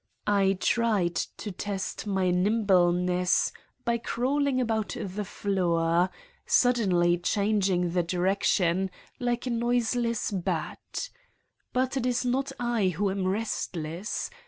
I tried to test my nimbleness by crawling about the floor, suddenly changing the direction, like a noiseless bat. But it is not I who am restless.